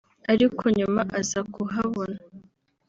ariko nyuma aza kuhabona